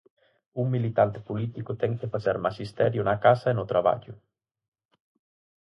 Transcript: Un militante político ten que facer maxisterio na casa e no traballo.